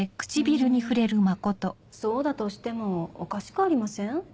うんそうだとしてもおかしくありません？